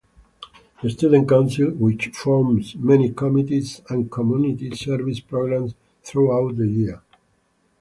The Student Council, which forms many committees and community service programs throughout the year.